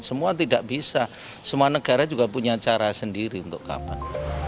semua tidak bisa semua negara juga punya cara sendiri untuk kapan